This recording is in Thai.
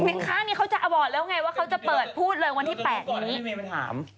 ข้างนี้เขาจะบอกแล้วไงว่าเขาจะเปิดพูดเลยวันที่๘นี้